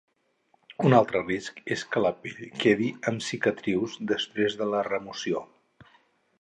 Un altre risc és que la pell quedi amb cicatrius després de la remoció.